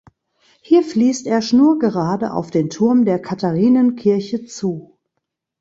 Hier fließt er schnurgerade auf den Turm der Katharinenkirche zu.